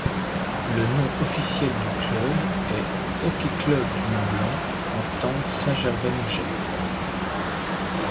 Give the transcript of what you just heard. Le nom officiel du club est Hockey Club du Mont-Blanc - Entente Saint-Gervais-Megève.